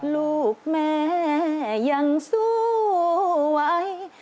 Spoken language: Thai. ลูกแม่ยังสวย